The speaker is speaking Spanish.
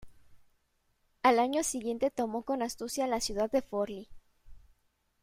Al año siguiente tomó con astucia la ciudad de Forlì.